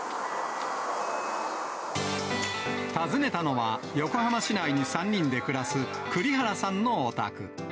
訪ねたのは、横浜市内に３人で暮らす栗原さんのお宅。